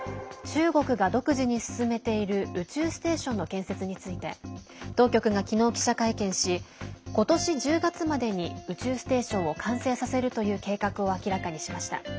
中国が独自に進めている宇宙ステーションの建設について当局が、きのう記者会見しことし１０月までに宇宙ステーションを完成させるという計画を明らかにしました。